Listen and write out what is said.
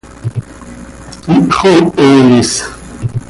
¡Ihxooho is!